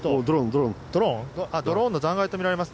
ドローンの残骸とみられます。